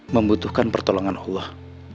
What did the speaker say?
membutuhkan pertolongan allah